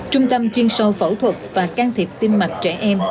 trung tâm chuyên sâu phẫu thuật và trung tâm tiêm mạch trẻ em